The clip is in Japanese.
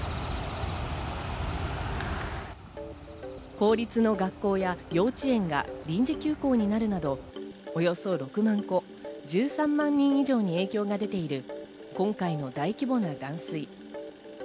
公立の学校や幼稚園が臨時休校になるなど、およそ６万戸、１３万人以上に影響が出ている今回の大規模な断水。